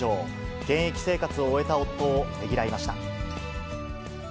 現役生活を終えた夫をねぎらいました。